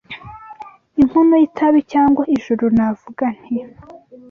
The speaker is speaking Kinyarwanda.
inkono y’itabi cyangwa ijuru navuga nti